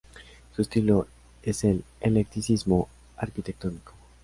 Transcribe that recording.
Su estilo es el eclecticismo arquitectónico.